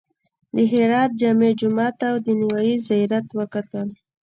د هرات جامع جومات او د نوایي زیارت وکتل.